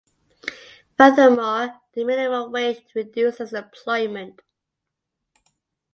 Furthermore the minimum wage reduces employment.